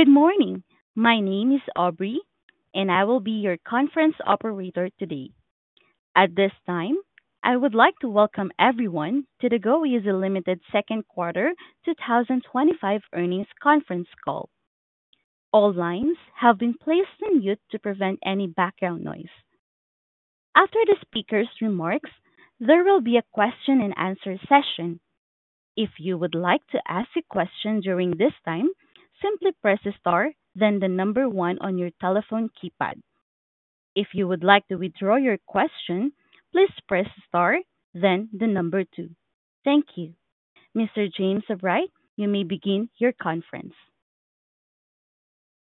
Good morning. My name is Aubrey and I will be your conference operator today. At this time, I would like to welcome everyone to the goeasy Ltd. second quarter 2025 earnings conference call. All lines have been placed on mute to prevent any background noise. After the speaker's remarks, there will be a question and answer session. If you would like to ask a question during this time, simply press Star then the number one on your telephone keypad. If you would like to withdraw your question, please press Star then the number two. Thank you, Mr. James Obright. You may begin your conference.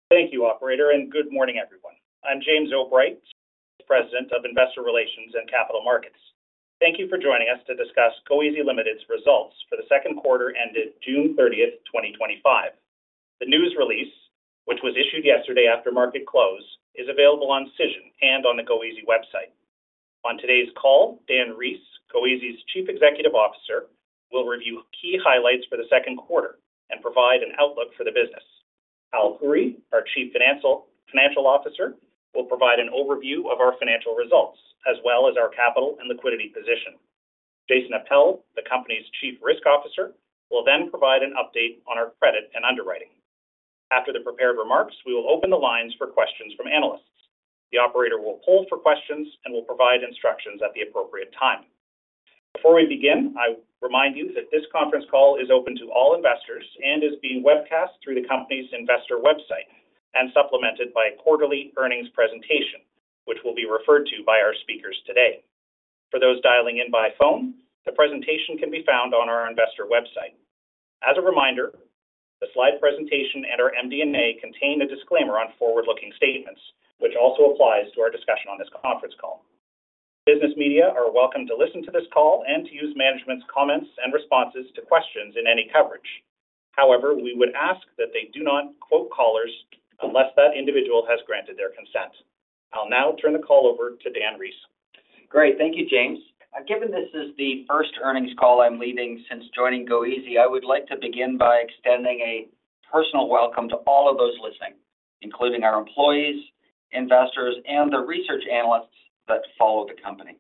Thank you, Operator, and good morning everyone. I'm James Obright, Senior Vice President of Investor Relations and Capital Markets. Thank you for joining us to discuss goeasy Ltd.'s results for the second quarter ended June 30, 2025. The news release, which was issued yesterday after market close, is available on Cision and on the goeasy website. On today's call, Dan Rees, goeasy's Chief Executive Officer, will review key highlights for the second quarter and provide an outlook for the business. Hal Khouri, our Chief Financial Officer, will provide an overview of our financial results as well as our capital and liquidity position. Jason Appel, the company's Chief Risk Officer, will then provide an update on our credit and underwriting. After the prepared remarks, we will open the lines for questions from analysts. The operator will poll for questions and will provide instructions at the appropriate time. Before we begin, I remind you that this conference call is open to all investors and is being webcast through the company's investor website and supplemented by a quarterly earnings presentation which will be referred to by our speakers today. For those dialing in by phone, the presentation can be found on our investor website. As a reminder, the slide presentation and our MD&A contain a disclaimer on forward-looking statements which also applies to our discussion on this conference call. Business media are welcome to listen to this call and to use management's comments and responses to questions in any coverage. However, we would ask that they do not quote callers unless that individual has granted their consent. I'll now turn the call over to Dan Rees. Great. Thank you, James. Given this is the first earnings call I'm leading since joining goeasy, I would like to begin by extending a personal welcome to all of those listening, including our employees, investors, and the research analysts that follow the company.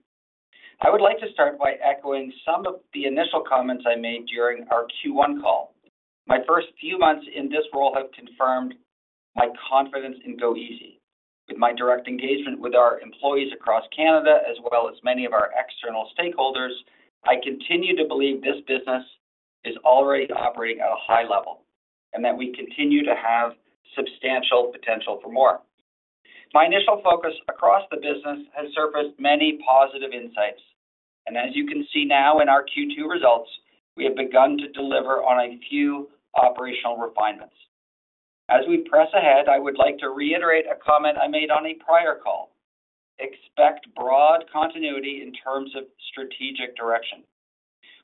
I would like to start by echoing some of these initial comments I made during our Q1 call. My first few months in this role have confirmed my confidence in goeasy with my direct engagement with our employees across Canada as well as many of our external stakeholders. I continue to believe this business is already operating at a high level and that we continue to have substantial potential for more. My initial focus across the business has surfaced many positive insights, and as you can see now in our Q2 results, we have begun to deliver on a few operational refinements as we press ahead. I would like to reiterate a comment I made on a prior call. Expect broad continuity in terms of strategic direction.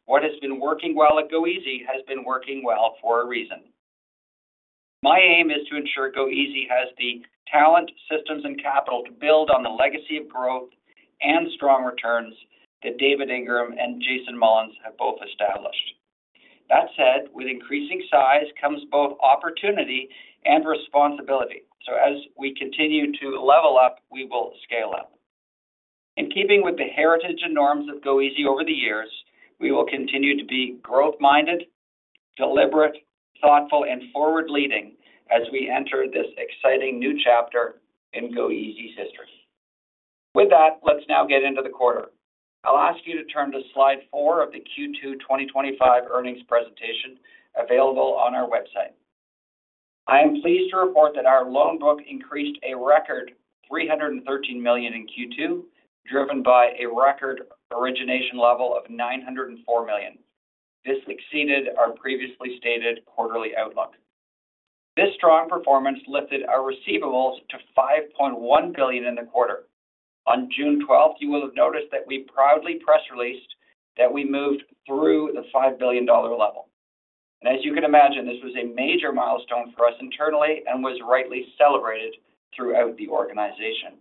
What has been working well at goeasy has been working well for a reason. My aim is to ensure goeasy has the talent, systems, and capital to build on the legacy of growth and strong returns that David Ingram and Jason Mullins have both established. That said, with increasing size comes both opportunity and responsibility. As we continue to level up, we will scale up in keeping with the heritage and norms of goeasy. Over the years, we will continue to be growth minded, deliberate, thoughtful, and forward leading as we enter this exciting new chapter in goeasy's history. With that, let's now get into the quarter. I'll ask you to turn to Slide 4 of the Q2 2025 earnings presentation available on our website. I am pleased to report that our loan book increased a record 313 million in Q2, driven by a record origination level of 904 million. This exceeded our previously stated quarterly outlook. This strong performance lifted our receivables to 5.1 billion in the quarter. On June 12th, you will have noticed that we proudly press released that we moved through the 5 billion dollar level, and as you can imagine, this was a major milestone for us internally and was rightly celebrated throughout the organization.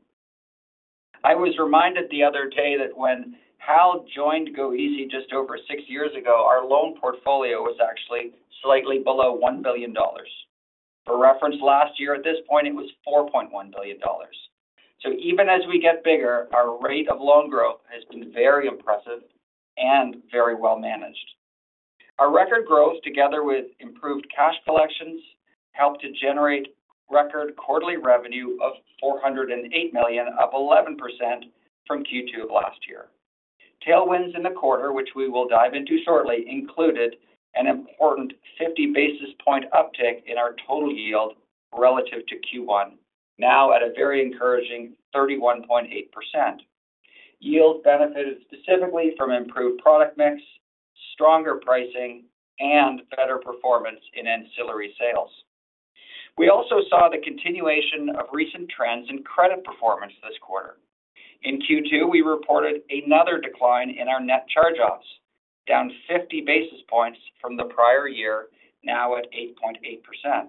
I was reminded the other day that when Hal joined goeasy just over six years ago, our loan portfolio was actually slightly below 1 billion dollars. For reference, last year at this point it was 4.1 billion dollars. Even as we get bigger, our rate of loan growth has been very impressive and very well managed. Our record growth together with improved cash collections helped to generate record quarterly revenue of 408 million, up 11% from Q2 of last year. Tailwinds in the quarter, which we will dive into shortly, included an important 50 basis point uptick in our total yield relative to Q1, now at a very encouraging 31.8% yield, benefited specifically from improved product mix, stronger pricing, and better performance in ancillary sales. We also saw the continuation of recent trends in credit performance this quarter. In Q2, we reported another decline in our net charge-offs, down 50 basis points from the prior year, now at 8.8%.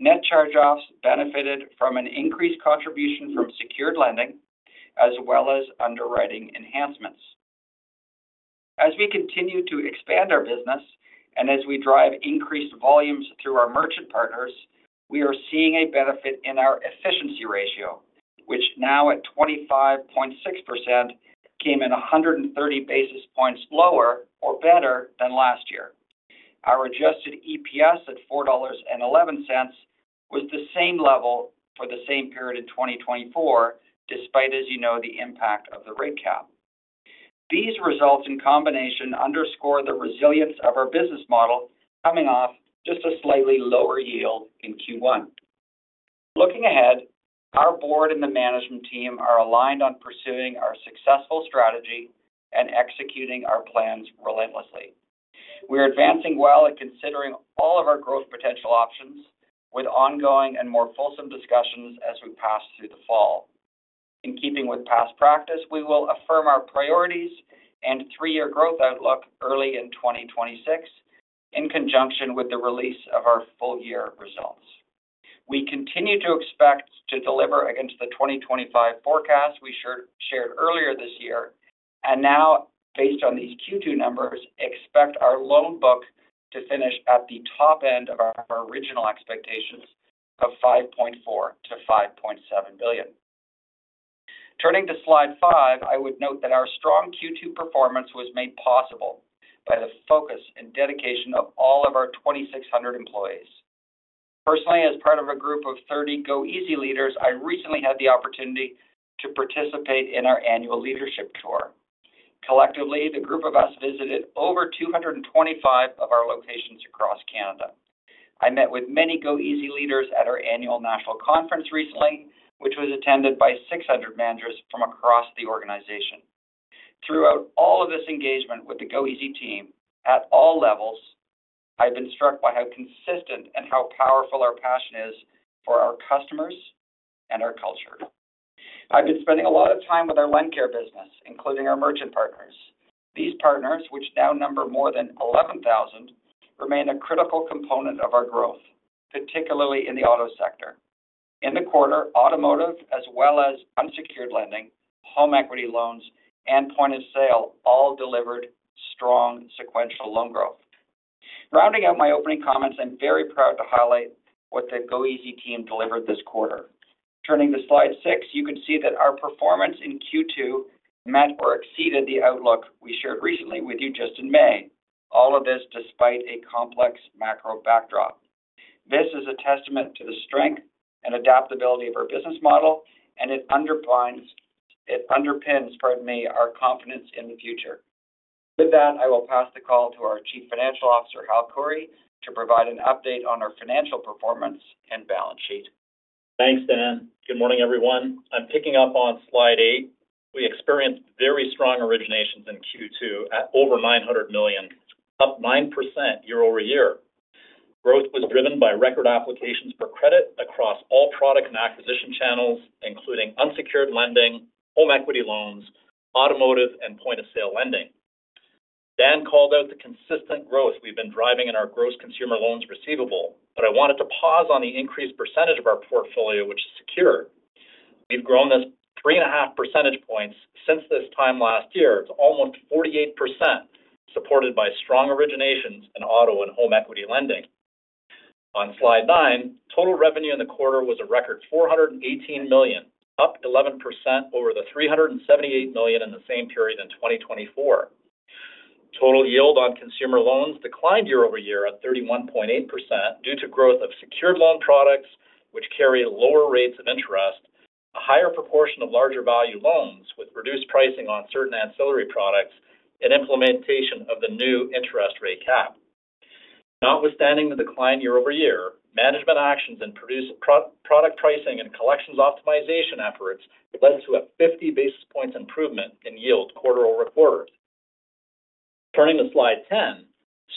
Net charge-offs benefited from an increased contribution from secured lending as well as underwriting enhancements. As we continue to expand our business and as we drive increased volumes through our merchant partners, we are seeing a benefit in our efficiency ratio, which now at 25.6% came in 130 basis points lower or better than last year. Our adjusted EPS at 4.11 dollars was the same level for the same period in 2024 despite, as you know, the impact of the rate cap. These results in combination underscore the resilience of our business model coming off just a slightly lower yield in Q1. Looking ahead, our board and the management team are aligned on pursuing our successful strategy and executing our plans relentlessly. We are advancing well at considering all of our growth potential options with ongoing and more fulsome discussions as we pass through the fall. In keeping with past practice, we will affirm our priorities and three-year growth outlook early in 2026. In conjunction with the release of our full year results, we continue to expect to deliver against the 2025 forecast we shared earlier this year and now, based on these Q2 numbers, expect our loan book to finish at the top end of our original expectations of 5.4 billion-5.7 billion. Turning to slide 5, I would note that our strong Q2 performance was made possible by the focus and dedication of all of our 2,600 employees. Personally, as part of a group of 30 goeasy leaders, I recently had the opportunity to participate in our annual leadership tour. Collectively, the group of us visited over 225 of our locations across Canada. I met with many goeasy leaders at our annual national conference recently, which was attended by 600 managers from across the organization. Throughout all of this engagement with the goeasy team at all levels, I've been struck by how consistent and how powerful our passion is for our customers and our culture. I've been spending a lot of time with our LendCare business, including our merchant partners. These partners, which now number more than 11,000, remain a critical component of our growth, particularly in the auto sector. In the quarter, automotive as well as unsecured lending, home equity loans, and point-of-sale all delivered strong sequential loan growth. Rounding out my opening comments, I'm very proud to highlight what the goeasy team delivered this quarter. Turning to Slide 6, you can see that our performance in Q2 met or exceeded the outlook we shared recently with you just in May. All of this despite a complex macro backdrop. This is a testament to the strength and adaptability of our business model and it underpins our confidence in the future. With that, I will pass the call to our Chief Financial Officer Hal Khouri to provide an update on our financial performance and balance sheet. Thanks, Dan. Good morning everyone. I'm kicking up on Slide 8. We experienced very strong originations in Q2 at over 900 million, up 9% year-over-year. Growth was driven by record applications per credit across all product and acquisition channels, including unsecured lending, home equity loans, automotive, and point-of-sale lending. Dan called out the consistent growth we've been driving in our gross consumer loans receivable, but I wanted to pause on the increased percentage of our portfolio which is secured. We've grown this 3.5 percentage points since this time last year, to almost 48%, supported by strong originations in auto and home equity lending. On Slide 9, total revenue in the quarter was a record 418 million, up 11% over the 378 million in the same period in 2024. Total yield on consumer loans declined year-over-year at 31.8% due to growth of secured loan products which carry lower rates of interest, a higher proportion of larger value loans with reduced pricing on certain ancillary products, and implementation of the new interest rate cap. Notwithstanding the decline year-over-year, management actions in product pricing and collections optimization efforts led to a 50 basis points improvement in yield quarter over quarter. Turning to Slide 10,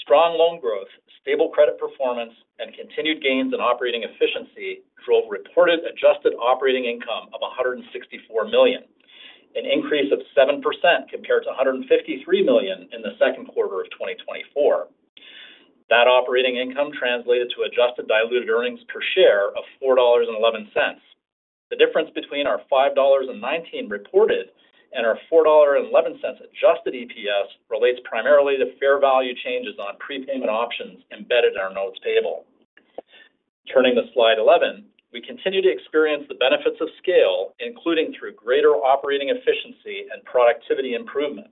strong loan growth, stable credit performance, and continued gains in operating efficiency drove reported adjusted operating income of 164 million, an increase of 7% compared to 153 million in the second quarter of 2024. That operating income translated to adjusted diluted earnings per share of 4.11 dollars. The difference between our 5.19 dollars reported and our 4.11 dollars adjusted EPS relates primarily to fair value changes on prepayment options embedded in our notes table. Turning to Slide 11, we continue to experience the benefits of scale, including through greater operating efficiency and productivity improvement.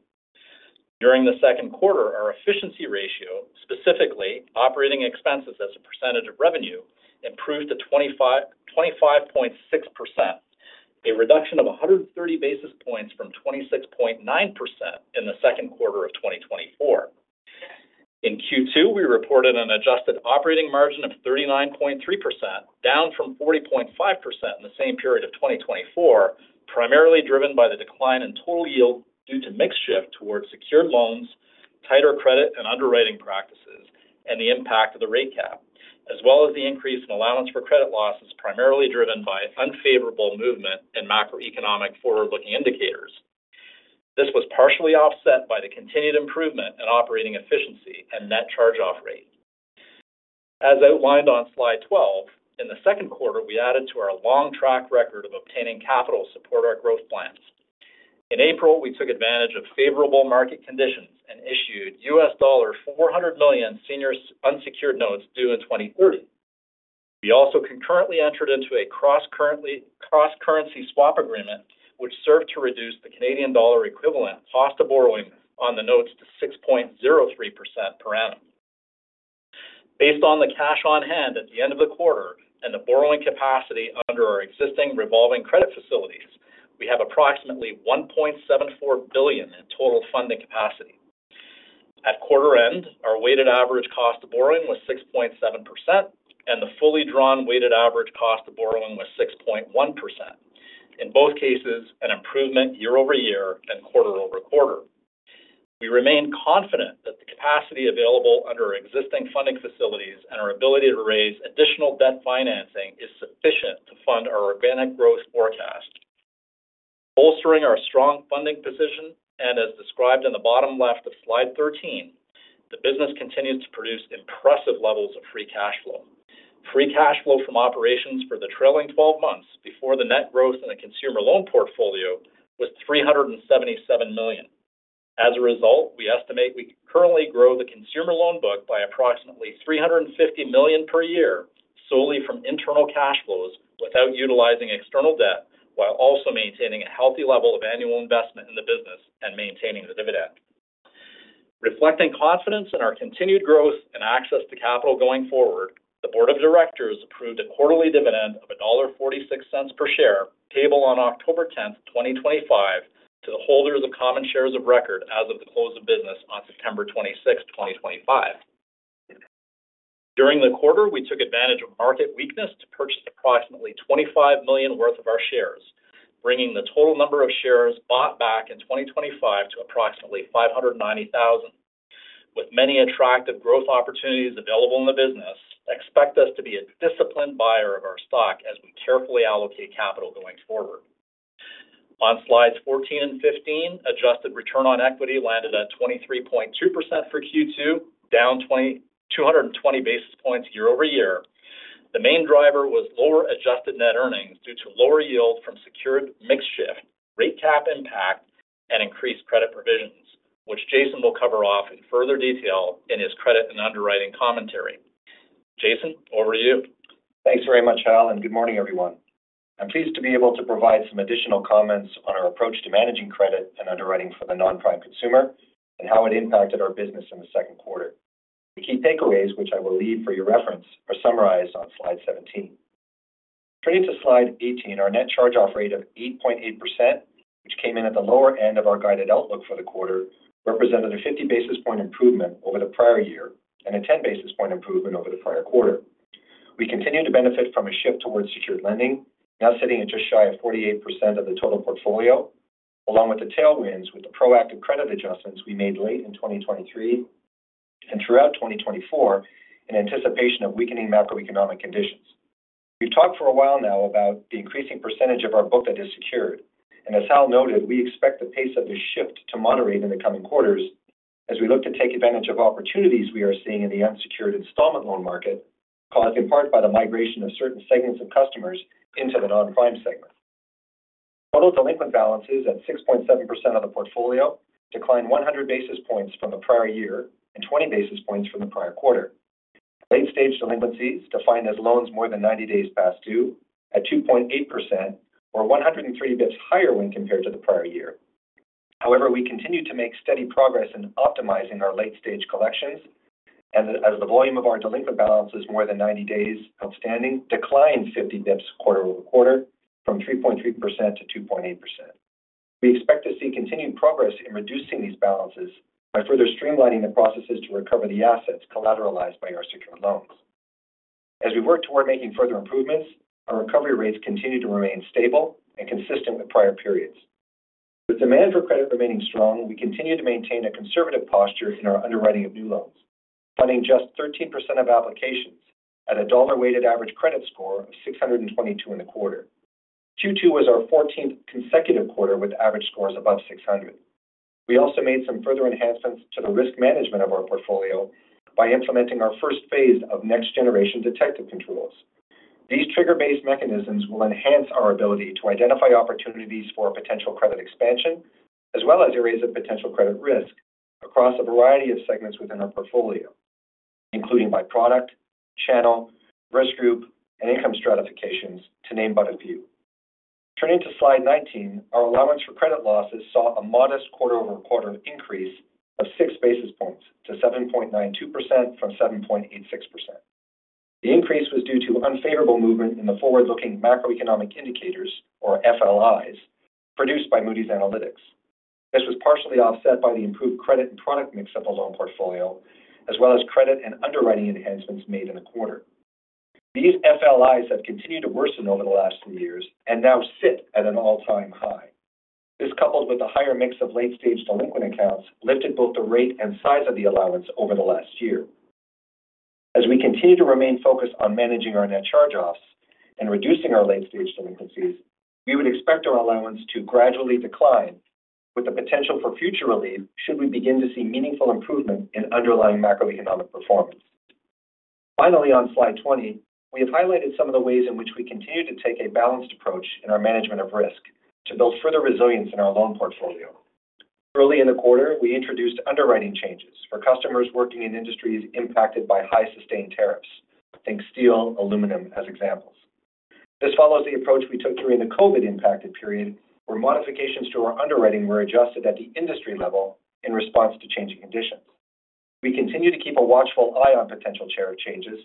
During the second quarter, our efficiency ratio, specifically operating expenses as a percentage of revenue, improved to 25.6%, a reduction of 130 basis points from 26.9% in the second quarter of 2024. In Q2, we reported an adjusted operating margin of 39.3%, down from 40.5% in the same period of 2024, primarily driven by the decline in total yield due to mix shift towards secured loans, tighter credit and underwriting practices, and the impact. Of the rate cap as well. The increase in allowance for credit losses, primarily driven by unfavorable movement in macroeconomic forward looking indicators, was partially offset by the continued improvement in operating efficiency and net charge-off rate as outlined on slide 12. In the second quarter, we added to our long track record of obtaining capital. Support our growth plans. In April, we took advantage of favorable market conditions and issued $400 million senior unsecured notes due in 2030. We also concurrently entered into a cross currency swap agreement, which served to reduce the Canadian dollar equivalent cost of borrowing on the notes to 6.03% per annum. Based on the cash on hand at the end of the quarter and the borrowing capacity under our existing revolving credit facilities, we have approximately 1.74 billion in total funding capacity. At quarter end, our weighted average cost of borrowing was 6.7%, and the fully drawn weighted average cost of borrowing was 6.1%. In both cases, an improvement year-over-year than quarter-over-quarter. We remain confident that the capacity available under existing funding facilities and our ability to raise additional debt financing is sufficient to fund our organic growth forecast, bolstering our strong funding position, and as described in the bottom left of slide 13, the business continues to produce impressive levels. Of free cash flow. Free cash flow from operations for the trailing 12 months before the net growth in the consumer loan portfolio was 377 million. As a result, we estimate we currently grow the consumer loan book by approximately 350 million per year solely from internal cash flows without utilizing external debt, while also maintaining a healthy level of annual investment in the business and maintaining the dividend. Reflecting confidence in our continued growth and access to capital going forward, the Board of Directors approved a quarterly dividend of dollar 1.46 per share payable on October 10, 2025, to the holders of common shares of record as of the close of business on September 26, 2025. During the quarter, we took advantage of market weakness to purchase approximately 25 million worth of our shares, bringing the total number of shares bought back in 2025 to approximately 590,000. With many attractive growth opportunities available in the business, expect us to be a disciplined buyer of our stock as we. Carefully allocate capital going forward. On slides 14 and 15, adjusted return on equity landed at 23.2% for Q2, down 220 basis points year-over-year. The main driver was lower adjusted net earnings due to lower yield from secured. Mix shift, rate cap impact, and increased. Credit provisions, which Jason will cover off in further detail in his credit and underwriting commentary. Jason, over to you. Thanks very much, Hal, and good morning, everyone. I'm pleased to be able to provide some additional comments on our approach to managing credit and underwriting for the non-prime consumer and how it impacted our business in the second quarter. The key takeaways, which I will leave for your reference, are summarized on slide 17. Turning to slide 18, our net charge-off rate of 8.8%, which came in at the lower end of our guided outlook for the quarter, represented a 50 bps improvement over the prior year and a 10 bps improvement over the prior quarter. We continue to benefit from a shift towards secured lending, now sitting at just shy of 48% of the total portfolio, along with the tailwinds from the proactive credit adjustments we made late in 2023 and throughout 2024 in anticipation of weakening macroeconomic conditions. We've talked for a while now about the increasing percentage of our book that is secured, and as Hal noted, we expect the pace of the shift to moderate in the coming quarters as we look to take advantage of opportunities we are seeing in the unsecured installment loan market, caused in part by the migration of certain segments of customers into the non-prime segment. Total delinquent balances, at 6.7% of the portfolio, declined 100 bps from the prior year and 20 bps from the prior quarter. Late-stage delinquencies, defined as loans more than 90 days past due, at 2.8%, or 103 bps higher when compared to the prior year. However, we continue to make steady progress in optimizing our late-stage collections, and as the volume of our delinquent balances more than 90 days outstanding declined 50 bps quarter over quarter from 3.3% to 2.8%, we expect to see continued progress in reducing these balances by further streamlining the processes to recover the assets collateralized by our secured loans. As we work toward making further improvements, our recovery rates continue to remain stable and consistent with prior periods. With demand for credit remaining strong, we continue to maintain a conservative posture in our underwriting of new loans, funding just 13% of applications at a dollar-weighted average credit score of 622 in the quarter. Q2 was our 14th consecutive quarter with average scores above 600. We also made some further enhancements to the risk management of our portfolio by implementing our first phase of next-generation detective controls. These trigger-based mechanisms will enhance our ability to identify opportunities for potential credit expansion as well as areas of potential credit risk across a variety of segments within our portfolio, including by product channel, risk group, and income stratifications, to name but a few. Turning to slide 19, our allowance for credit losses saw a modest quarter-over-quarter increase of 6 basis points to 7.92% from 7.86%. The increase was due to unfavorable movement in the forward-looking macroeconomic indicators, or FLIs, produced by Moody's Analytics. This was partially offset by the improved credit and product mix of our loan portfolio as well as credit and underwriting enhancements made in the quarter. These FLIs have continued to worsen over the last few years and now sit at an all-time high. This, coupled with the higher mix of late-stage delinquent accounts, lifted both the rate and size of the allowance over the last year. As we continue to remain focused on managing our net charge-offs and reducing our late-stage delinquencies, we would expect our allowance to gradually decline with the potential for future relief should we begin to see meaningful improvement in underlying macroeconomic performance. Finally, on slide 20, we have highlighted some of the ways in which we continue to take a balanced approach in our management of risk to build further resilience in our loan portfolio. Early in the quarter, we introduced underwriting changes for customers working in industries impacted by high sustained tariffs. Think steel, aluminum as examples. This follows the approach we took during the COVID-impacted period where modifications to our underwriting were adjusted at the industry level in response to changing conditions. We continue to keep a watchful eye on potential tariff changes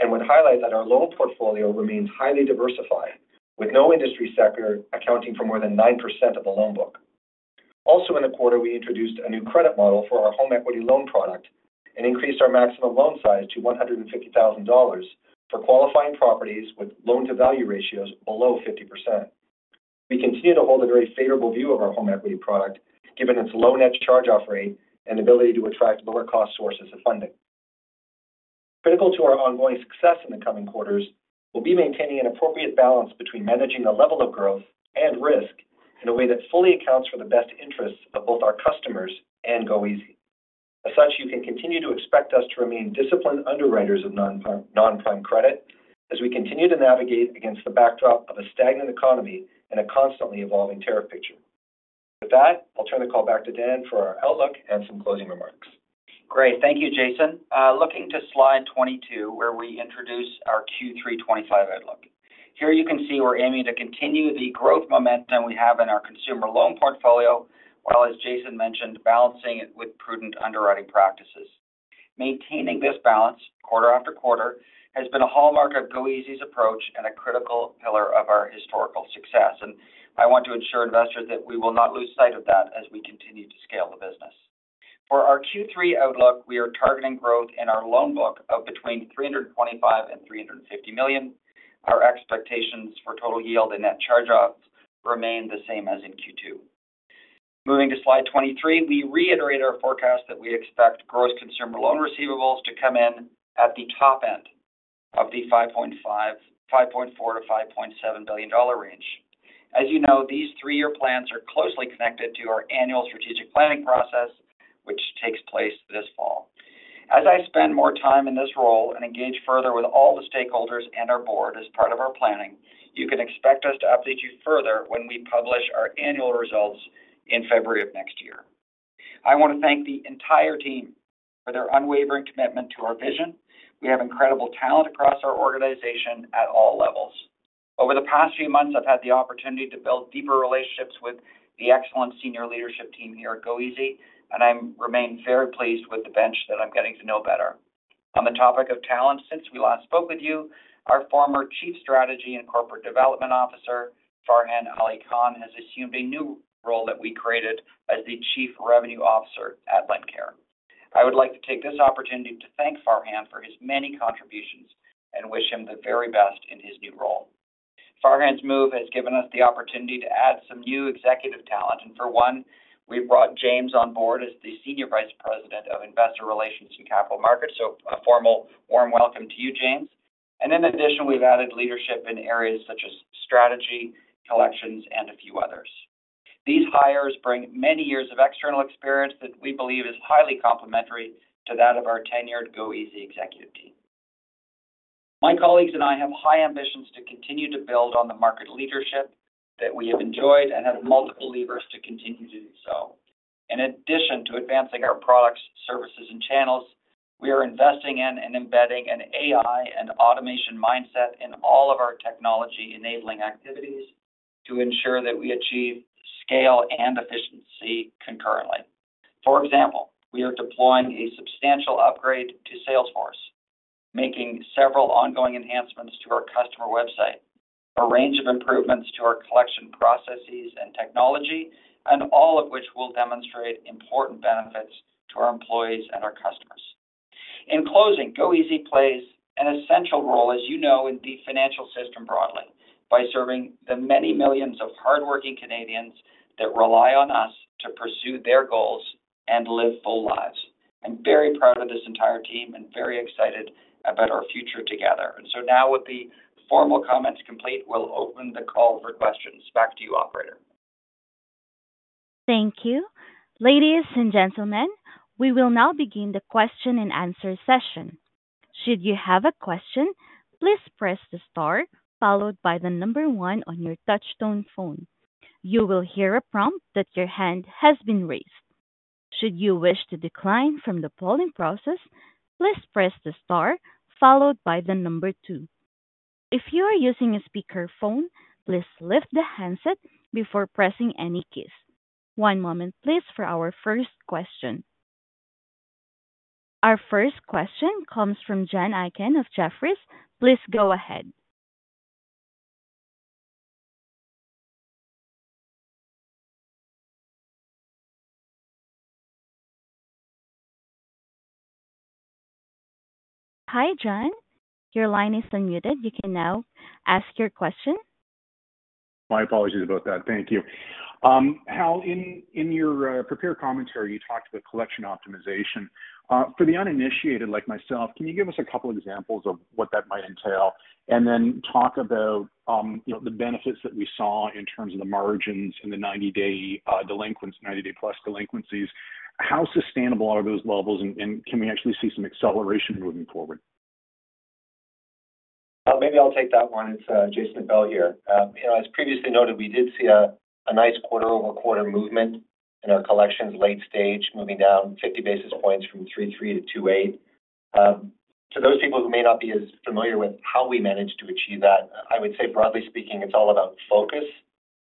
and would highlight that our loan portfolio remains highly diversified, with no industry sector accounting for more than 9% of the loan book. Also in the quarter, we introduced a new credit model for our home equity loan product and increased our maximum loan size to 150,000 dollars for qualifying properties with loan-to-value ratios below 50%. We continue to hold a very favorable view of our home equity product given its low net charge-off rate and ability to attract lower-cost sources of funding. Critical to our ongoing success in the coming quarters will be maintaining an appropriate balance between managing the level of growth and risk in a way that fully accounts for the best interests of both our customers and goeasy. As such, you can continue to expect us to remain disciplined underwriters of non-prime credit as we continue to navigate against the backdrop of a stagnant economy and a constantly evolving tariff picture. With that, I'll turn the call back to Dan for our outlook and some closing remarks. Great. Thank you, Jason. Looking to slide 22 where we introduce our Q3 2025 outlook. Here you can see we're aiming to continue the growth momentum we have in our consumer loan portfolio while, as Jason mentioned, balancing it with prudent underwriting practices. Maintaining this balance quarter after quarter has been a hallmark of goeasy's approach and a critical pillar of our historical success, and I want to ensure investors that we will not lose sight of that as we continue to scale the business. For our Q3 outlook, we are targeting growth in our loan book of between 325 million-350 million. Our expectations for total yield and net charge-offs remain the same as in Q2. Moving to slide 23, we reiterate our forecast that we expect gross consumer loan receivables to come in at the top end of the 5.4 billion-5.7 billion dollar range. As you know, these three-year plans are closely connected to our annual strategic planning process, which takes place this fall. As I spend more time in this role and engage further with all the stakeholders and our board as part of our planning, you can expect us to update you further when we publish our annual results in February of next year. I want to thank the entire team for their unwavering commitment to our vision. We have incredible talent across our organization at all levels. Over the past few months, I've had the opportunity to build deeper relationships with the excellent senior leadership team here at goeasy, and I remain very pleased with the bench that I'm getting to know better. On the topic of talent, since we last spoke with you, our former Chief Strategy and Corporate Development Officer, Farhan Ali Khan, has assumed a new role that we created as the Chief Revenue Officer at LendCare. I would like to take this opportunity to thank Farhan for his many contributions and wish him the very best in his new role. Farhan's move has given us the opportunity to add some new executive talent, and for one, we brought James Obright on board as the Senior Vice President of Investor Relations and Capital Markets. A formal warm welcome to you, James, and in addition, we've added leadership in areas such as strategy, collections, and a few others. These hires bring many years of external experience that we believe is highly complementary to that of our tenured goeasy executive team. My colleagues and I have high ambitions to continue to build on the market leadership that we have enjoyed and have multiple levers to continue to do so. In addition to advancing our products, services, and channels, we are investing in and embedding an AI and automation mindset in all of our technology-enabling activities to ensure that we achieve scale and efficiency concurrently. For example, we are deploying a substantial upgrade to Salesforce, making several ongoing enhancements to our customer website, and a range of improvements to our collection processes and technology, all of which will demonstrate important benefits to our employees and our customers. In closing, goeasy plays an essential role, as you know, in the financial system broadly by serving the many millions of hardworking Canadians that rely on us to pursue their goals and live full lives. I'm very proud of this entire team and very excited about our future together. Now, with the formal comments complete, we'll open the call for questions. Back to you, operator. Thank you, ladies and gentlemen. We will now begin the question-and-answer session. Should you have a question, please press the star followed by the number one on your touch-tone phone. You will hear a prompt that your hand has been raised. Should you wish to decline from the polling process, please press the star followed by the number two. If you are using a speakerphone, please lift the handset before pressing any keys. One moment please. Our first question comes from John Aiken of Jefferies. Please go ahead. Hi John, your line is unmuted. You can now ask your question. My apologies about that. Thank you. Hal, in your prepared commentary, you talked about collection optimization. For the uninitiated, like myself, can you give us a couple examples of what? That might entail, and then talk about. You know, the benefits that we saw in terms of the margins in the 90 day delinquency, 90+ day delinquencies. How sustainable are those levels and can we actually see some acceleration moving forward? Maybe? I'll take that one. It's Jason Appel here. As previously noted, we did see a nice quarter over quarter movement in our collections. Late stage moving down 50 basis points from 3.3% to 2.8%. To those people who may not be as familiar with how we managed to achieve that, I would say, broadly speaking, it's all about focus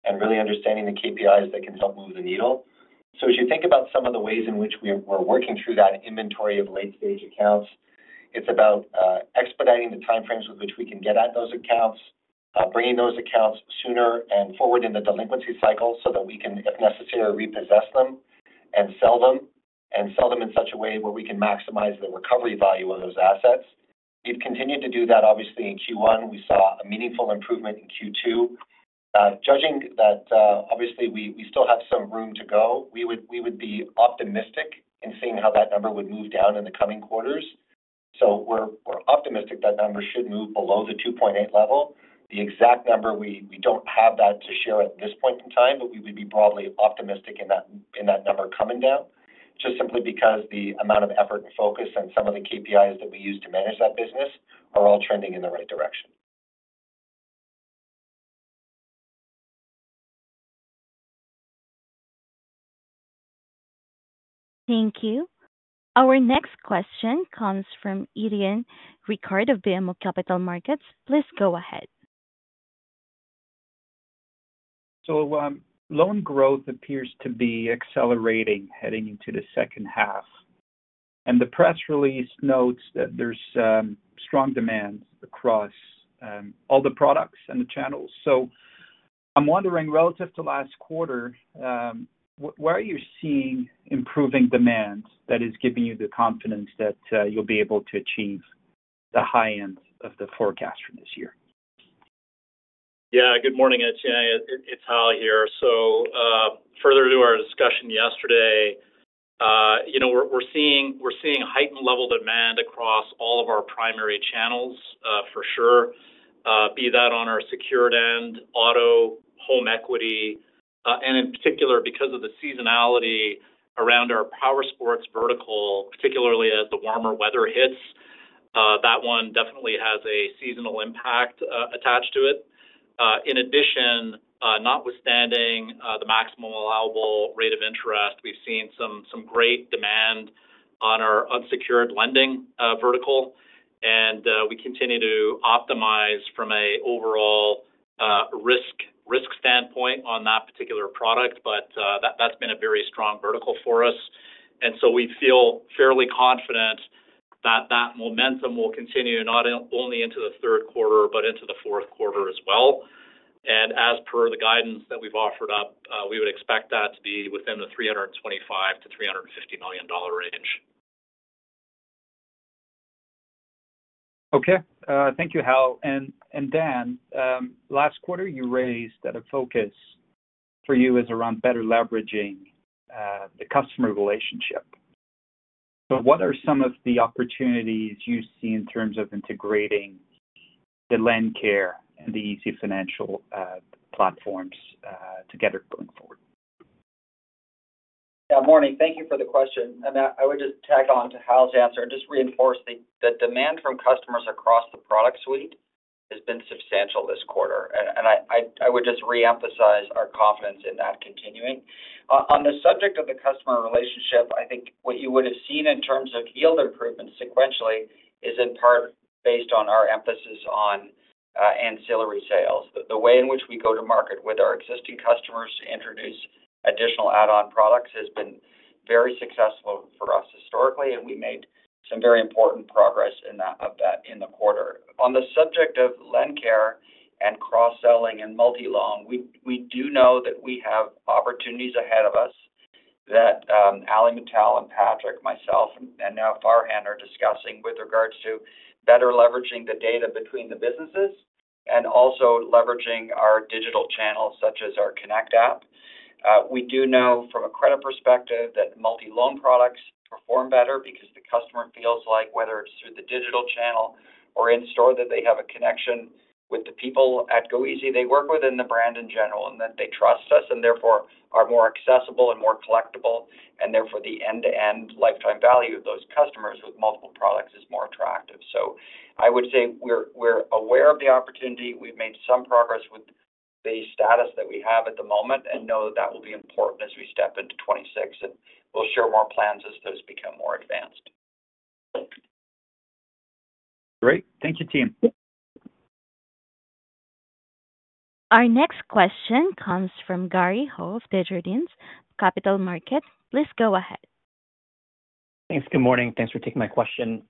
and really understanding the KPIs that can help move the needle. As you think about some of the ways in which we're working through that inventory of late stage accounts, it's about expediting the timeframes with which we can get at those accounts, bringing those accounts sooner and forward in the delinquency cycle so that we can, if necessary, repossess them and sell them in such a way where we can maximize the recovery value of those assets. We've continued to do that. Obviously in Q1 we saw a meaningful improvement. In Q2, judging that, obviously we still have some room to go. We would be optimistic in seeing how that number would move down in the coming quarters. We're optimistic that number should move below the 2.8% level, the exact number we don't have that to share at this point in time. We would be broadly optimistic in that number coming down just simply because the amount of effort and focus and some of the KPIs that we use to manage that business are all trending in the right direction. Thank you. Our next question comes from Étienne Ricard of BMO Capital Markets. Please go ahead. Loan growth appears to be accelerating heading into the second half, and the press release notes that there's strong demand across all the products and the channels. I'm wondering, relative to last quarter, where you're seeing improving demand that is giving you the confidence that you'll be able to achieve the high end of the forecast for this year. Good morning, it's Hal here. Further to our discussion yesterday, we're seeing heightened level demand across all of our primary channels for sure, be that on our secured and auto, home equity, and in particular because of the seasonality around our powersports vertical. Particularly as the warmer weather hits, that one definitely has a seasonal impact attached to it. In addition, notwithstanding the maximum allowable rate of interest, we've seen some great demand on our unsecured lending vertical and we continue to optimize from an overall risk standpoint on that particular product. That's been a very strong vertical for us, and we feel fairly confident that momentum will continue not only into the third quarter but into the fourth quarter as well. As per the guidance that we've offered up, we would expect that to be within the 325 million-350 million dollar range. Okay, thank you. Hal and Dan, last quarter you raised that a focus for you is around better leveraging the customer relationship. What are some of the opportunities you see in terms of integrating the LendCare and the easyfinancial platforms together going forward? Morning. Thank you for the question and I would just tack on to Hal's answer. Just reinforce the demand from customers across the product suite has been substantial this quarter and I would just re-emphasize our confidence in that. Continuing on the subject of the customer relationship, I think what you would have seen in terms of yield improvements sequentially is in part based on our emphasis on ancillary sales. The way in which we go to market with our existing customers to introduce additional add-on products has been very successful for us historically, and we made some very important progress in the quarter. On the subject of LendCare and cross-selling and multi-loan, we do know that we have opportunities ahead of us that Ali Mattel and Patrick, myself, and now Farhan are discussing with regards to better leveraging the data between the businesses and also leveraging our digital channels such as our Connect app. We do know from a credit perspective that multi-loan products perform better because the customer feels like whether it's through the digital channel or in store, that they have a connection with the people at goeasy, they work within the brand in general, and that they trust us and therefore are more accessible and more collectible and therefore the end-to-end lifetime value of those customers with multiple products is more attractive. I would say we're aware of the opportunity, we've made some progress with the status that we have at the moment, and know that that will be important as we step into 2026 and we'll share more plans as those become more advanced. Great. Thank you. TM. Our next question comes from Gary Ho of Desjardins Capital Markets. Please go ahead. Thanks. Good morning. Thanks for taking my question.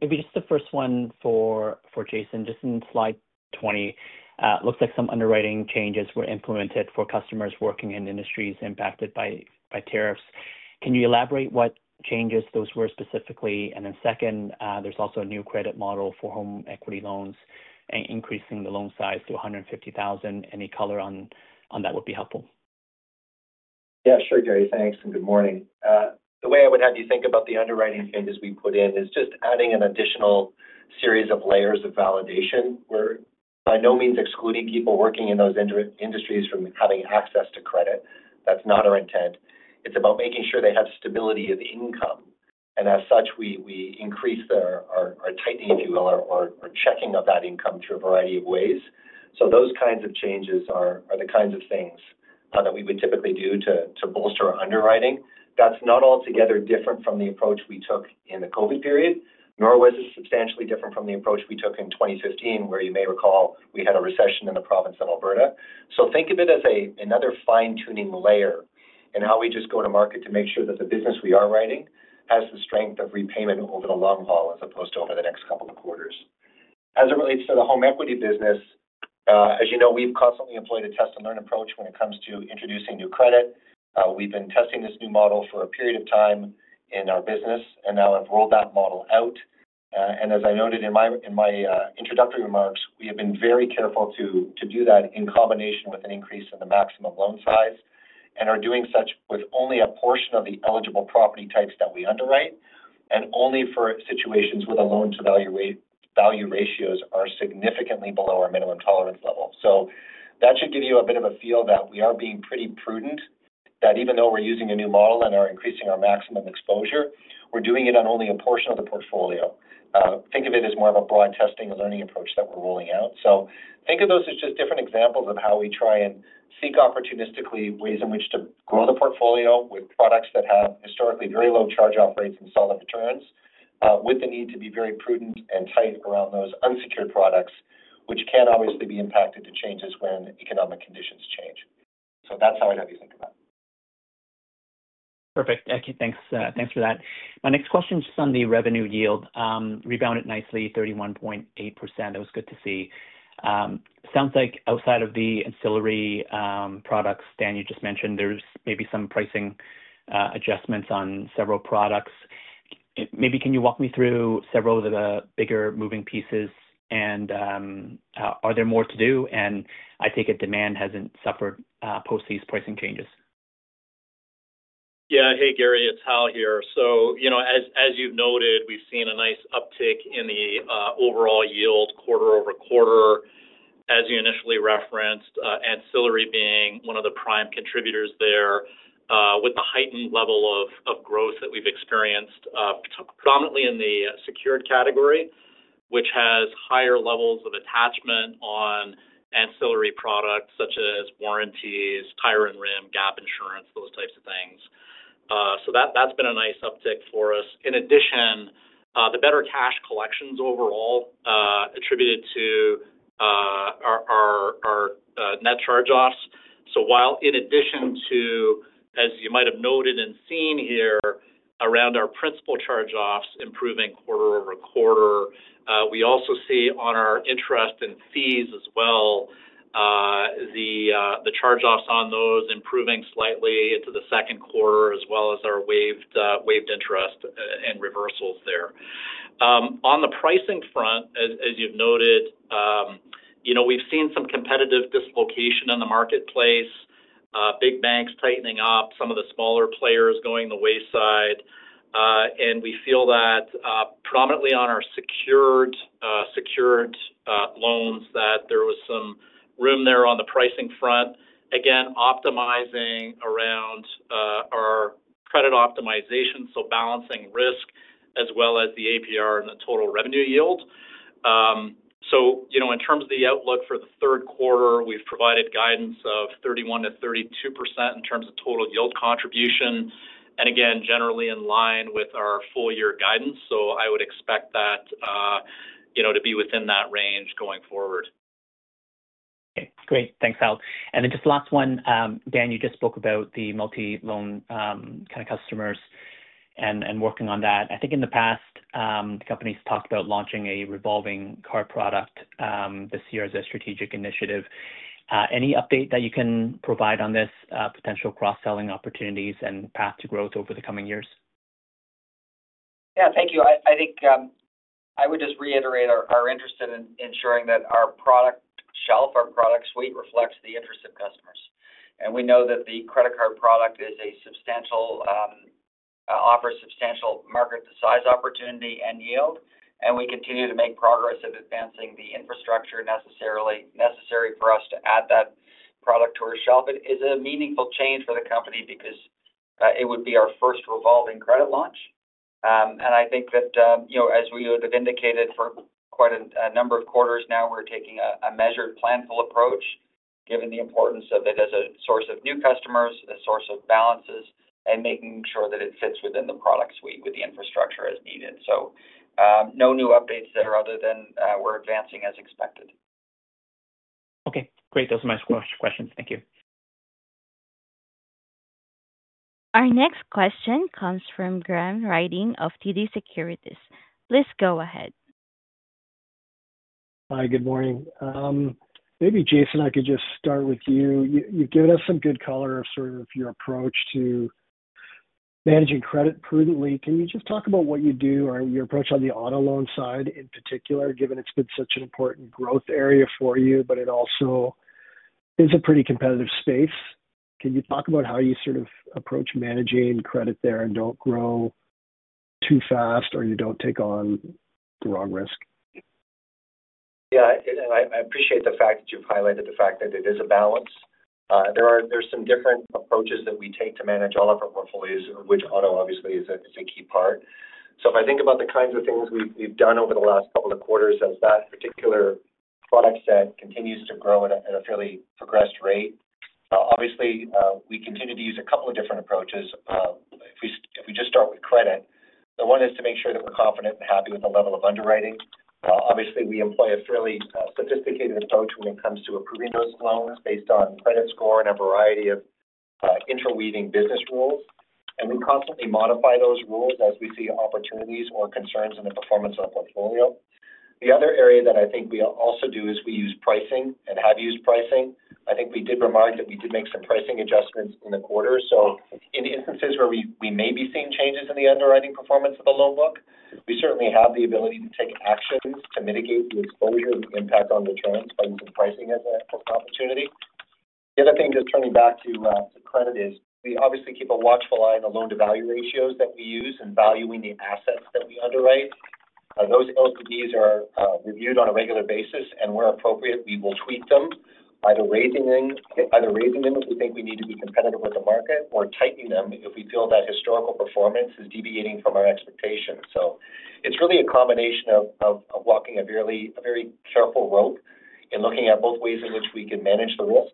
Maybe just the first one for Jason, just in slide 20, looks like some underwriting changes were implemented for customers working in industries impacted by tariffs. Can you elaborate what changes those were specifically? There's also a new credit model for home equity loans, increasing the loan size to $150,000. Any color on that would be helpful. Yeah, sure, Gary, thanks and good morning. The way I would have you think about the underwriting changes we put in is just adding an additional series of layers of validation. We're by no means excluding people working in those industries from having access to credit. That's not our intent. It's about making sure they have stability of the income. As such, we increase our tightening, if you will, or checking of that income through a variety of ways. Those kinds of changes are the kinds of things that we would typically do to bolster our underwriting. That's not altogether different from the approach we took in the COVID period, nor was it substantially different from the approach we took in 2015, where you may recall, we had a recession in the province of Alberta. Think of it as another fine tuning layer and now we just go to market to make sure that the business we are writing has the strength of repayment over the long haul as opposed to over the next couple of quarters. As it relates to the home equity business, as you know, we've constantly employed a test and learn approach when it comes to introducing new credit. We've been testing this new model for a period of time in our business and now I've rolled that model out and as I noted in my introductory remarks, we have been very careful to do that in combination with an increase in the maximum loan size and are doing such with only a portion of the eligible property types that we underwrite and only for situations where the loan to value ratios are significantly below our minimum tolerance level. That should give you a bit of a feel that we are being pretty prudent that even though we're using a new model and are increasing our maximum exposure, we're doing it on only a portion of the portfolio. Think of it as more of a broad testing and learning approach that we're rolling out. Think of those as just different examples of how we try and seek opportunistically ways in which to grow the portfolio with products that have historically very low charge-off rates and solid returns with the need to be very prudent and tight around those unsecured products which can obviously be impacted to changes when economic conditions change. That's how I'd have you think about it. Perfect. Thanks for that. My next question just on the revenue yield rebounded nicely, 31.8%. That was good to see. Sounds like outside of the ancillary products, Dan, you just mentioned there's maybe some pricing adjustments, investments on several products. Maybe can you walk me through several of the bigger moving pieces, and are there more to do? I think demand hasn't suffered post these pricing changes. Yeah, hey Gary, it's Hal here. As you've noted, we've seen a nice uptick in the overall yield quarter over quarter as you initially referenced, ancillary being one of the prime contributors there with the heightened level of growth that we've experienced predominantly in the secured category, which has higher levels of attachment on ancillary products such as warranties, tire and rim, gap insurance, those types of things. That's been a nice uptick for us. In addition, the better cash collections overall attributed to our net charge-offs. In addition to, as you might have noted and seen here around our principal charge-offs improving quarter over quarter, we also see on our interest and fees as well, the charge-offs on those improving slightly into the second quarter, as well as our waived interest and reversals there. On the pricing front, as you've noted, we've seen some competitive dislocation in the marketplace, big banks tightening up, some of the smaller players going the wayside, and we feel that prominently on our secured loans that there was some room there. On the pricing front again, optimizing around our credit optimization, so balancing risk as well as the APR and the total revenue yield. In terms of the outlook for the third quarter, we've provided guidance of 31%-32% in terms of total yield contribution and again generally in line with our full year guidance. I would expect that to be within that range going forward. Great, thanks Hal. Just last one, Dan, you just spoke about the multi loan kind of customers and working on that. I think in the past, the company talked about launching a revolving card product this year as a strategic initiative. Any update that you can provide on this potential cross selling opportunities and path to growth over the coming years? Thank you. I think I would just reiterate our interest in ensuring that our product shelf, our product suite reflects the interest of customers, and we know that the credit card product is a substantial offer, substantial market size, opportunity and yield. We continue to make progress in advancing the infrastructure necessary for us to add that product to our shelf. It is a meaningful change for the company because it would be our first revolving credit launch. I think that, as we would have indicated for quite a number of quarters now, we're taking a measured, planful approach given the importance of that as a source of new customers, a source of balances, and making sure that it fits within the products with the infrastructure as needed. No new updates other than we're advancing as expected. Okay, great. Those are my questions. Thank you. Our next question comes from Graham Ryding of TD Cowen. Please go ahead. Hi, good morning. Maybe Jason, I could just start with you. You've given us some good color, sort of your approach to managing credit prudently. Can you just talk about what you do or your approach on the auto loan side in particular, given it's been such an important growth area for you, but it also is a pretty competitive space? Can you talk about how you sort of approach managing credit there and don't grow too fast or you don't take on the wrong risk? Yeah. I appreciate the fact that you've highlighted the fact that it is a balance. There are some different approaches that we take to manage all of our portfolios, which auto obviously is a key part. If I think about the kinds of things we've done over the last couple of quarters as that particular product set continues to grow at a fairly progressed rate, we continue to use a couple of different approaches. If we just start with credit, the one is to make sure that we're confident and happy with the level of underwriting. Obviously, we employ a fairly sophisticated approach when it comes to approving those loans based on credit score and a variety of interweaving business rules. We constantly modify those rules as we see opportunities or concerns in the performance of our portfolio. The other area that I think we also do is we use pricing and have used pricing. I think we did remind that we did make some pricing adjustments in the quarter. In instances where we may be seeing changes in the underwriting performance of the loan book, we certainly have the ability to take actions to mitigate the exposure impact on the transfer pricing opportunity. The other thing, just turning back to the credit, is we obviously keep a watchful eye on the loan to value ratios that we use and valuing the. Assets that we underwrite. Those LPDs are reviewed on a regular basis, and where appropriate, we will tweak them, either raising them if we think we need to be competitive with the market or tightening them if we feel that historical performance is deviating from our expectations. It is really a combination of walking a really very careful rope in looking at both ways in which we can manage the risk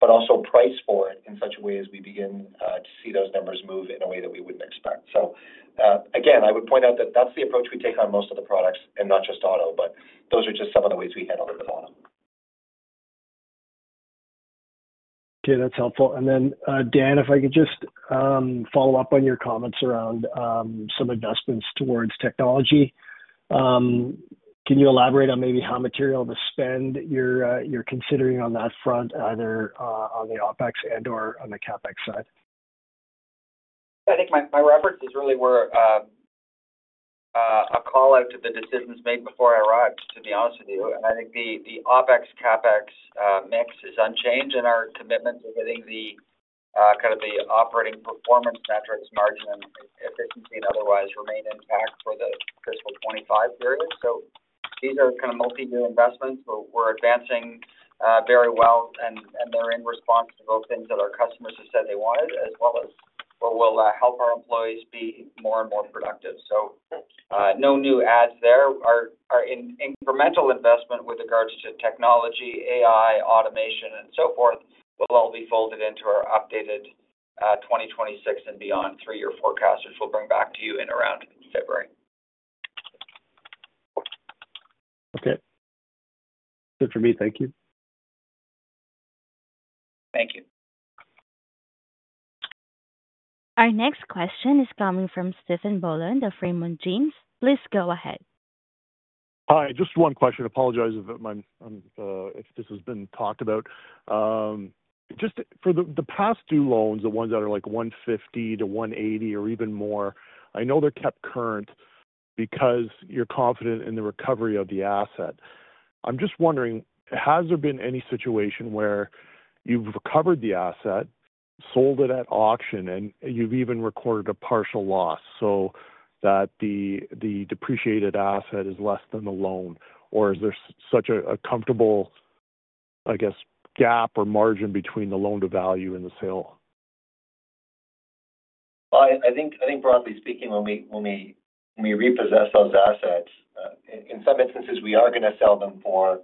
but also price for it in such a way as we begin to see those numbers move in a way that we wouldn't expect. I would point out that that's the approach we take on most of the products and not just auto. Those are just some of the ways we head over to. Okay, that's helpful. Dan, if I could just follow up on your comments around some adjustments towards technology. Can you elaborate on maybe how material the spend you're considering on that front, either on the OpEx and or on the CapEx side? I think my reference is really where a call out to the decisions made before I arrived, to be honest with you. I think the OpEx CapEx mix is unchanged, and our commitment to getting the kind of the operating performance metrics, margin efficiency, and otherwise remain intact for the fiscal 2025 period. These are kind of multi-year investments we're advancing very well and they're. In response to both things that are. Customers have said they wanted as well, but will help our employees be more and more productive. No new ads there. Our incremental investment with regards to technology, AI, automation, and so forth will all be folded into our updated 2026 and beyond three-year forecasters. We'll bring back to you in around February. Okay, good for me. Thank you. Thank you. Our next question is coming from Stephen Boland of Raymond James. Please go ahead. Hi. Just one question. Apologize if this has been talked about. Just for the past due loans, the ones that are like 150 to 180 or even more, I know they're kept current because you're confident in the recovery of the asset. I'm just wondering, has there been any situation where you've covered the asset, sold it at auction, and you've even recorded a partial loss so that the depreciated asset is less than the loan, or is there such a comfortable, I guess, gap or margin between the loan to value and the sale? I think broadly speaking, only when we repossess those assets, in some instances we are going to sell them for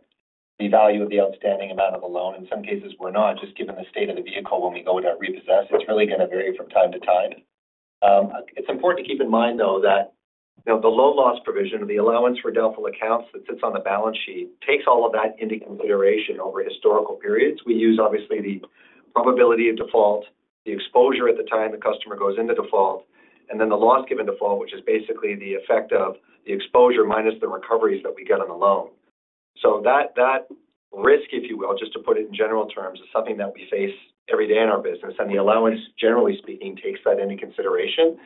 the value of the outstanding amount of a loan. In some cases we're not just given the state of the vehicle. When we go to repossess, it's really going to vary from time to time. It's important to keep in mind though that the loan loss provision of the allowance for credit losses that sits on the balance sheet takes all of that into consideration over historical periods. We use obviously the probability of default, the exposure at the time the customer goes into default, and then the loss given default, which is basically the effect of the exposure minus the recoveries that we get on the loan. That risk, if you will, just to put it in general terms, is something that we face every day in our business. The allowance, generally speaking, takes that into consideration.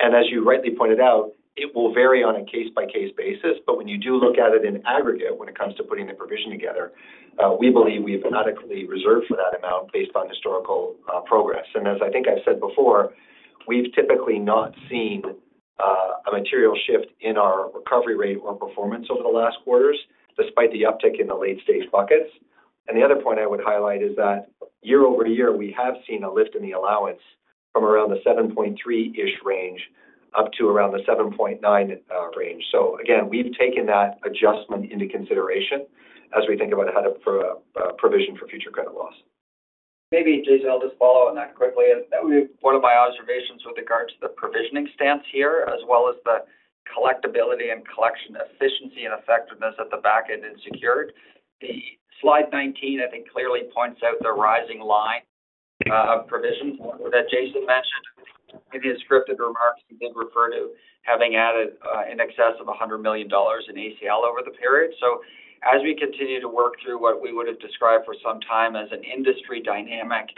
As you rightly pointed out, it will vary on a case by case basis. When you do look at it in aggregate, when it comes to putting the provision together, we believe we have adequately reserved for that amount based on historical progress. As I think I've said before, we've typically not seen a material shift in our recovery rate or performance over the last quarters, despite the uptick in the late stage buckets. The other point I would highlight is that year over year we have seen a lift in the allowance from around the 7.3% range up to around the 7.9% range. Again, we've taken that adjustment into consideration as we think about how to provision for future credit loss. Maybe Jason, I'll just follow on that. Quickly, and that would be one of. My observations with regards to the provisioning stance here, as well as the collectability and collection efficiency and effectiveness at the back end, is secured. Slide 19, I think, clearly points out the rising loan loss provision that Jason mentioned in his scripted remarks. He did refer to having added in excess of 100 million dollars in allowance for credit losses over the period. As we continue to work through what we would have described for some time as an industry dynamic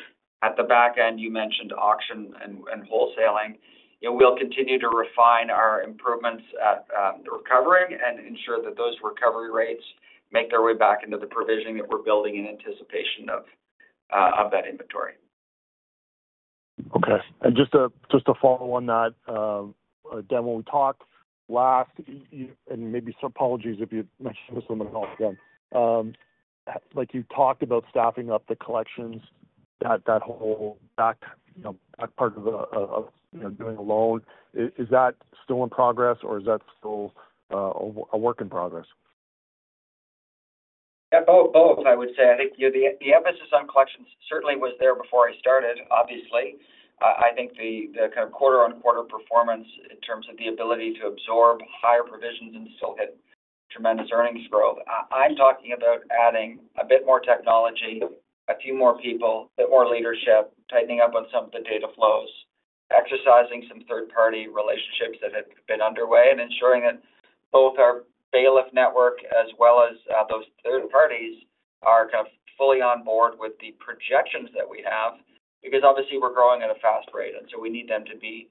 at the back end, you mentioned auction and wholesaling. We'll continue to refine our improvements at recovery and ensure that those recovery rates make their way back into the provisioning that we're building in anticipation of that inventory. Okay. Just to follow on that, when we talked last, and maybe apologies if you mentioned this, when we talked about staffing up the collections, that whole back part of doing a loan, is that still in progress or is that still a work in progress? All of what I would say, I think the emphasis on collections certainly was there before I started. Obviously, I think the kind of quarter-on-quarter performance in terms of the ability to absorb higher provisions and still get tremendous earnings growth. I'm talking about adding a bit more technology, a few more people, a bit more leadership, tightening up on some of the data flows, exercising some third-party relationships that have been underway, and ensuring that both our bailiff network as well as those third parties are fully on board with the projections that we have. Obviously, we're growing at a fast rate, and we need them to be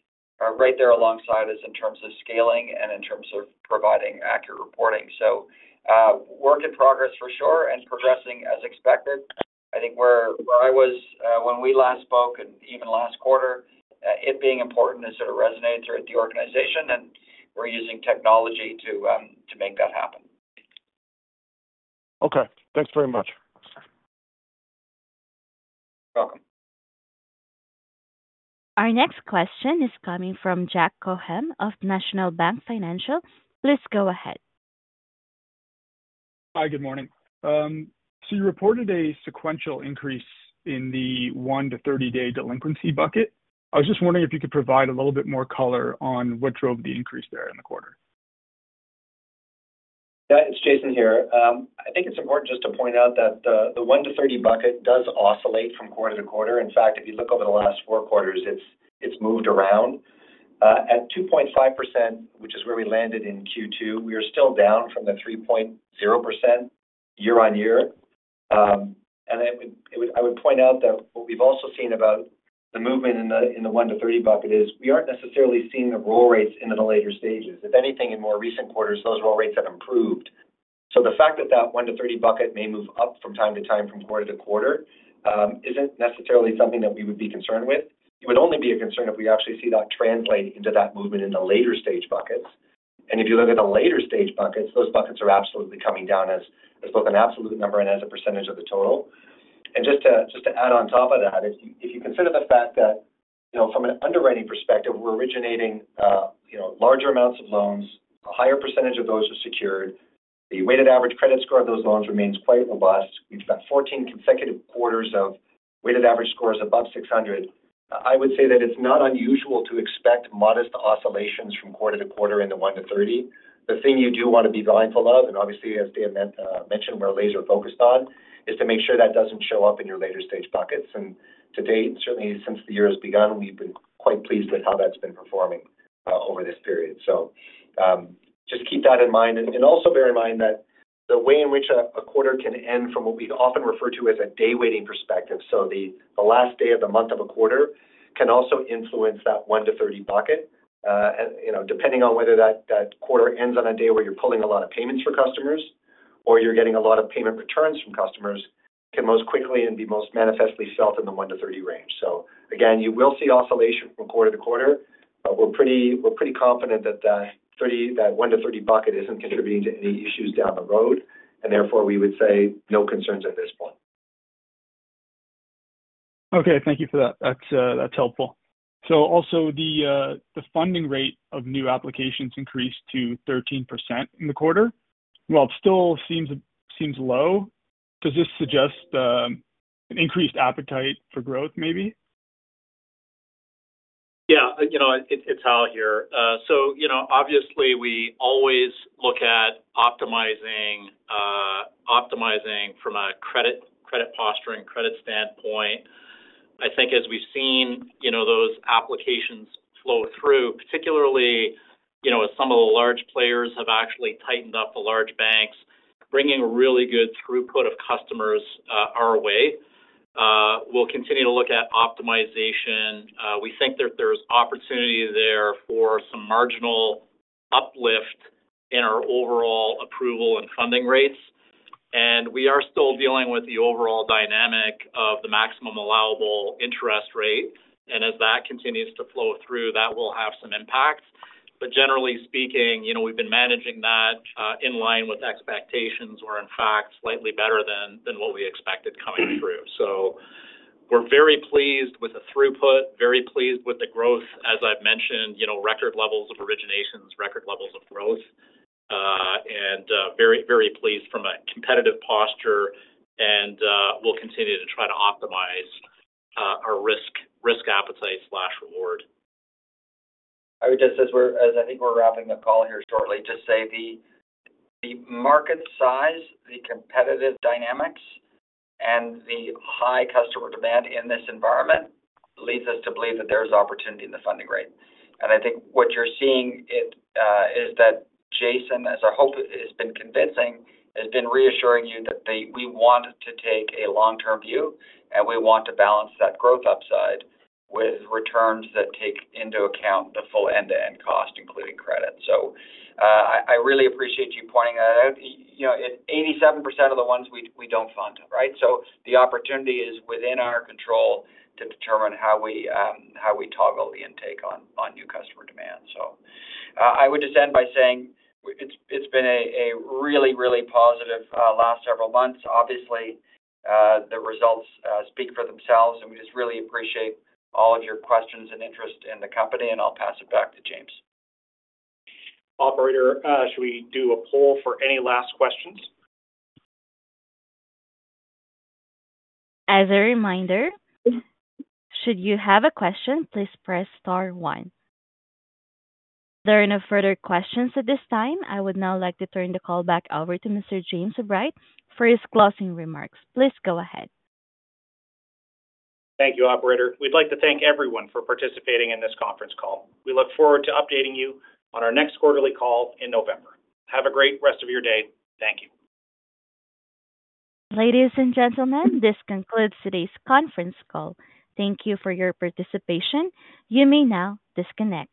right there alongside us in terms of scaling and in terms of providing accurate reporting. Work in progress for sure and progressing as expected. I think where I was when we last spoke and even last quarter, it being important to sort of resonate throughout the organization, and we're using technology to make that happen. Okay, thanks very much. Our next question is coming from Jack Cohen of National Bank Financial. Please go ahead. Hi, good morning. You reported a sequential increase in. The one to 30 day delinquency bucket, I was just wondering if you could. Provide a little bit more color on. What drove the increase there in the quarter? Yeah, it's Jason here. I think it's important just to point out that the 1-30 bucket does oscillate from quarter to quarter. In fact, if you look over the last four quarters, it's moved around at 2.5%, which is where we landed in Q2. We are still down from the 3.0% year-on-year. I would point out that what we've also seen about the movement in the 1-30 bucket is we aren't necessarily seeing the roll rates into the later stages. If anything, in more recent quarters those roll rates have improved. The fact that that 1-30 bucket may move up from time to time from quarter to quarter isn't necessarily something that we would be concerned with. It would only be a concern if we actually see that translate into that movement in the later stage buckets. If you look at the later stage buckets, those buckets are absolutely coming down as both an absolute number and as a percentage of the total. Just to add on top of that, if you consider the fact that from an underwriting perspective we're originating larger amounts of loans, a higher percentage of those are secured, the weighted average credit score of those loans remains quite robust. We've got 14 consecutive credit quarters of weighted average scores above 600. I would say that it's not unusual to expect modest oscillations from quarter to quarter in the 1-30. The thing you do want to be mindful of, and obviously as Dan mentioned, we're laser focused on, is to make sure that doesn't show up in your later stage buckets. To date, certainly since the year has begun, we've been quite pleased with how that's been performing over this period. Just keep that in mind. Also bear in mind that the way in which a quarter can end from what we'd often refer to as a day weighting perspective, so the last day of the month of a quarter can also influence that 1-30 bucket, depending on whether that quarter ends on a day where you're pulling a lot of payments for customers or you're getting a lot of payment returns from customers, can most quickly and be most manifestly felt in the 1-30 range. You will see oscillation from quarter to quarter. We're pretty confident that that 1-30 bucket isn't contributing to any issues down the road and therefore we would say no concerns at this point. Okay, thank you for that, that's helpful. Also, the funding rate of new. Applications increased to 13% in the quarter. While it still seems low, does this suggest an increased appetite for growth? Maybe. Yeah, it's Hal here. Obviously, we always look at optimizing from a credit posturing, credit standpoint. I think as we've seen those applications flow through, particularly as some of the large players have actually tightened up, the large banks bringing really good throughput of customers our way, we'll continue to look at optimization. We think that there's opportunity there for some marginal uplift in our overall approval and funding rates. We are still dealing with the overall dynamic of the maximum allowable interest rate, and as that continues to flow through, that will have some impact. Generally speaking, we've been managing that in line with expectations, where in fact slightly better than what we expected coming through. We're very pleased with the throughput, very pleased with the growth as I've mentioned, record levels of originations, record levels of growth and very, very pleased from a competitive posture. We'll continue to try to optimize our risk appetite slash reward. I would just, as I think we're wrapping up the call here shortly, say the market size, the competitive dynamics, and the high customer demand in this environment lead us to believe that there's opportunity in the funding rate. I think what you're seeing is that Jason, as our hope has been convincing, has been reassuring you that we want to take a long-term view and we want to balance that growth upside with returns that take into account the full end-to-end cost, including credit. I really appreciate you pointing out 87% of the ones we don't fund. The opportunity is within our control to determine how we toggle the intake on new customer demand. I would just end by saying it's been a really, really positive last several months. Obviously, the results speak for themselves and we just really appreciate all of your questions and interest in the company. I'll pass it back to James. Operator, should we do a poll for any last questions? As a reminder, should you have a question, please press star one. There are no further questions at this time. I would now like to turn the call back over to Mr. James Obright for his closing remarks. Please go ahead. Thank you, operator. We'd like to thank everyone for participating in this conference call. We look forward to updating you on our next quarterly call in November. Have a great rest of your day. Thank you. Ladies and gentlemen, this concludes today's conference call. Thank you for your participation. You may now disconnect.